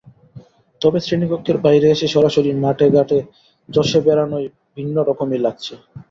তবে শ্রেণীকক্ষের বাইরে এসে সরাসরি মাঠে-ঘাটে চষে বেড়ানোয় ভিন্ন রকমই লাগছে।